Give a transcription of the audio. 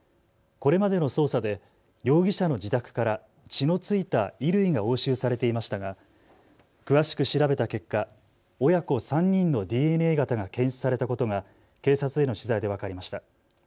これまでの捜査で容疑者の自宅から血の付いた衣類が押収されていましたが詳しく調べた結果、親子３人のＤＮＡ型が検出されたことが警察への取材で分かりました。